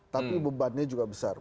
tapi beban nya juga besar